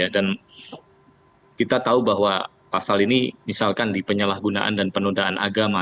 dan kita tahu bahwa pasal ini misalkan di penyalahgunaan dan penodaan agama